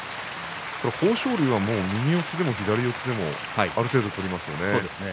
豊昇龍は右四つでも左四つでもある程度取りますよね。